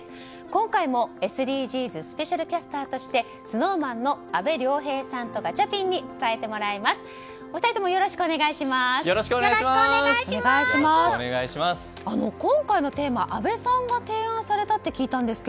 今回も、ＳＤＧｓスペシャルキャスターとしてＳｎｏｗＭａｎの阿部亮平さんとガチャピンに伝えてもらいます。